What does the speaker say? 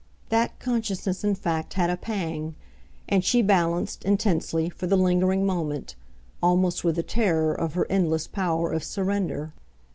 That consciousness in fact had a pang, and she balanced, intensely, for the lingering moment, almost with a terror of her endless power of surrender.